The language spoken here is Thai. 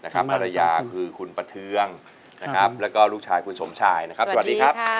ภรรยาคือคุณประเทืองและลูกชายคุณสมชาติ